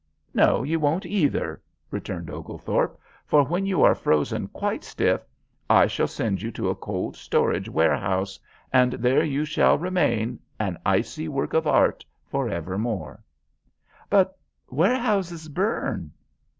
"No, you won't, either," returned Oglethorpe; "for when you are frozen quite stiff, I shall send you to a cold storage warehouse, and there shall you remain an icy work of art forever more." "But warehouses burn."